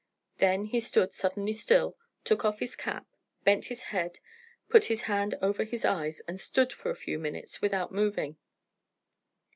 Then he stood suddenly still, took off his cap, bent his head, put his hand over his eyes, and stood for a few minutes without moving.